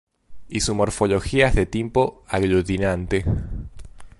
Y su morfología es de tipo aglutinante.